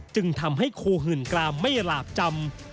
จึงทำให้โคหื่นกรามไม่หลาบจำ